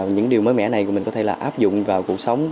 những điều mới mẻ này của mình có thể là áp dụng vào cuộc sống